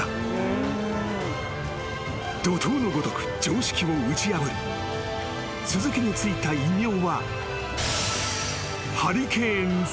［怒濤のごとく常識を打ち破り鈴木に付いた異名は］